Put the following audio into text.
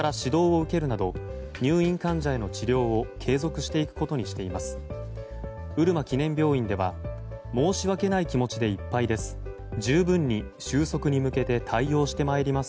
うるま記念病院では申し訳ない気持ちでいっぱいです